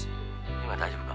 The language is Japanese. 今大丈夫か？